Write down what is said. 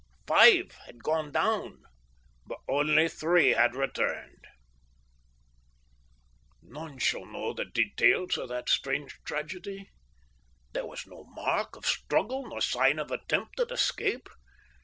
Five had gone down, but only three had returned. None shall ever know the details of that strange tragedy. There was no mark of struggle nor sign of attempt at escape.